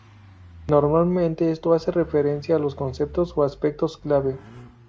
Normalmente, esto hace referencia a los conceptos o aspectos clave.